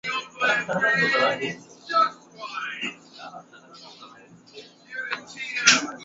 ya mwaka elfu moja mia tisa na sabini na saba